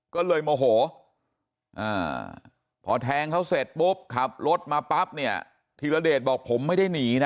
ก็เลยโมโหพอแทงเขาเสร็จปุ๊บขับรถมาปั๊บเนี่ยธีรเดชบอกผมไม่ได้หนีนะ